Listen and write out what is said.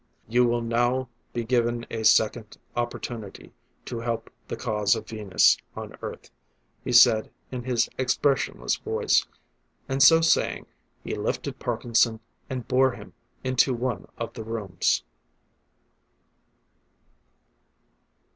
"You will now be given a second opportunity to help the cause of Venus on Earth," he said in his expressionless voice. And so saying, he lifted Parkinson, and bore him into one of the rooms.